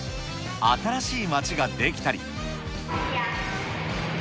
新しい街ができたり。